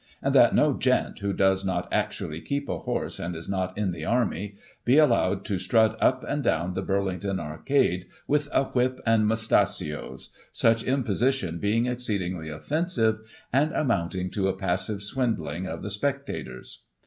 And that no Gent, who does not actually keep a horse, and is not in the Army, be allowed to strut up and down the Burlington Arcade, with a whip and moustachios, such imposition being exceedingly offensive, and simounting to a passive swindling of the spec tators.